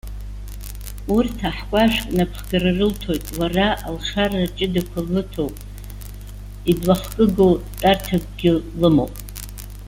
Урҭ аҳкәажәк напхгара рылҭоит, лара алшара ҷыдақәа лыҭоуп, иблахкыгоу тәарҭакгьы лымоуп.